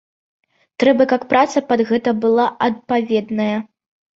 Трэба, каб праца пад гэта была адпаведная.